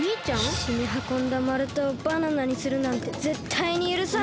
ひっしにはこんだまるたをバナナにするなんてぜったいにゆるさん！